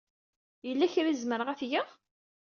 Yella kra ay zemreɣ ad t-geɣ?